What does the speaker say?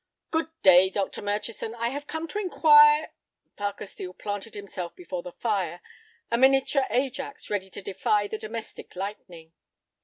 "Good day, Dr. Murchison. I have come to inquire—" Parker Steel planted himself before the fire, a miniature Ajax ready to defy the domestic lightning.